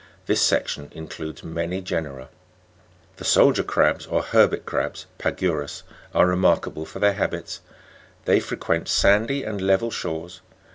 This section includes many genera. 8. The Soldier crabs or Hermit crabs (Pagurus) are remark able for their habits. They frequent sandy and level shores.